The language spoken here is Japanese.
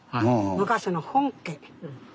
昔の本家。